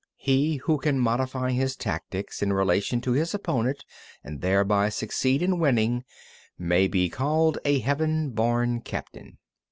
33. He who can modify his tactics in relation to his opponent and thereby succeed in winning, may be called a heaven born captain.